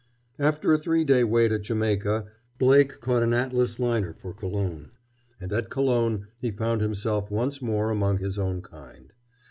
After a three day wait at Jamaica Blake caught an Atlas liner for Colon. And at Colon he found himself once more among his own kind.